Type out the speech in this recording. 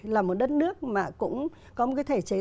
là một đất nước mà cũng có một cái thể chế